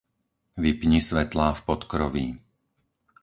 Vypni svetlá v podkroví.